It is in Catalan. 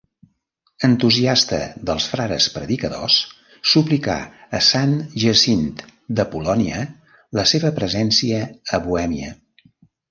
Entusiasta dels frares predicadors, suplicà a Sant Jacint de Polònia la seva presència a Bohèmia.